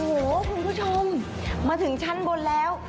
โอ้โหคุณผู้ชมมาถึงชั้นบนแล้ว